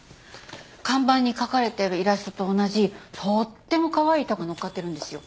看板に描かれているイラストと同じとってもかわいいタコがのっかってるんですよ。